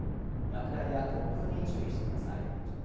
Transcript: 落雷や突風に注意してください。